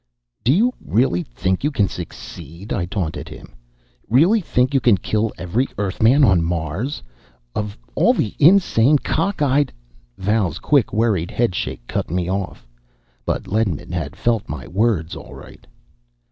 "Do you really think you can succeed?" I taunted him. "Really think you can kill every Earthman on Mars? Of all the insane, cockeyed " Val's quick, worried head shake cut me off. But Ledman had felt my words, all right.